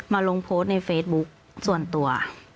ลงโพสต์ในเฟซบุ๊คส่วนตัว